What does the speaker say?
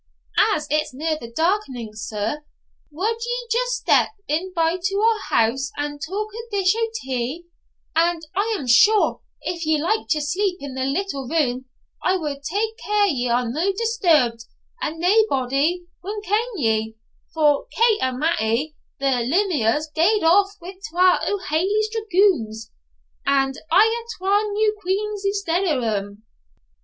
'As it's near the darkening, sir, wad ye just step in by to our house and tak a dish o' tea? and I am sure if ye like to sleep in the little room, I wad tak care ye are no disturbed, and naebody wad ken ye; for Kate and Matty, the limmers, gaed aff wi' twa o' Hawley's dragoons, and I hae twa new queans instead o' them.'